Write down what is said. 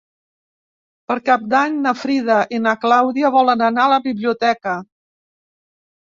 Per Cap d'Any na Frida i na Clàudia volen anar a la biblioteca.